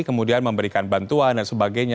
kemudian memberikan bantuan dan sebagainya